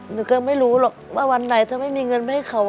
หนูก็ไม่รู้หรอกว่าวันไหนถ้าไม่มีเงินไปให้เขา